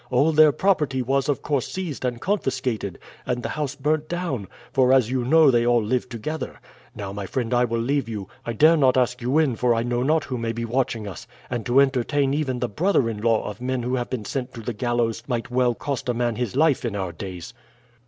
All their property was, of course, seized and confiscated, and the house burnt down; for, as you know, they all lived together. Now, my friend, I will leave you. I dare not ask you in for I know not who may be watching us, and to entertain even the brother in law of men who have been sent to the gallows might well cost a man his life in our days."